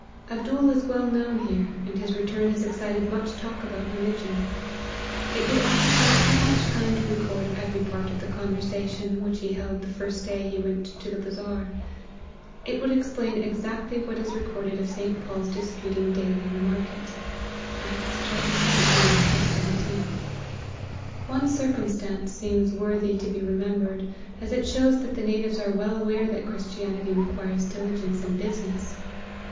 " Abdool is well known here, and his return has excited much talk about religion. It would occupy too much time to record every part of the conver sation which he held the first day he went to the Bazar. It would explain exactly what is recorded of St. Paul's disputing daily in the market. Acts xvii. 17. " One circumstance seems worthy to be remem bered, as it shows that the natives are well aware that Christianity requires diligence in business.